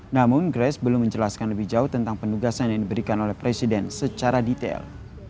namun grace belum menjelaskan lebih jauh tentang penugasan yang diberikan oleh presiden secara detail